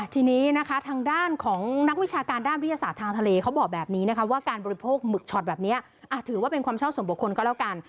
ทีนี้นะคะทางด้านของนักวิชาการด้านวิทยาศาสตร์ทางทะเลเขาบอกแบบนี้นะคะว่าการบริโภคหมึกช็อตแบบนี้ถือว่าเป็นความชอบส่วนบุคคลก็แล้วกัน